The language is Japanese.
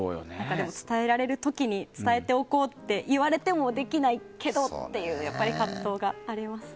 伝えられる時に伝えておこうって言われてもできないけどっていう葛藤がありますね。